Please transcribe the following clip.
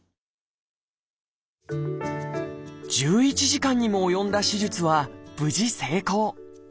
１１時間にも及んだ手術は無事成功。